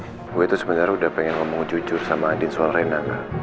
gue itu sebenernya udah pengen ngomong jujur sama andin soal reina gak